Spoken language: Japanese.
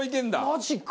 マジか！